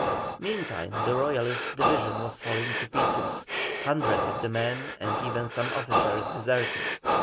Meantime the Royalist division was falling to pieces hundreds of the men and even some officers deserted.